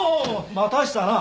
待たせたな。